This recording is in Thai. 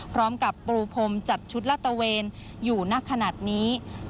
พร้อมกับปรูพรมจัดชุดละตะเวนอยู่นักขณะนี้